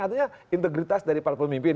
artinya integritas dari para pemimpin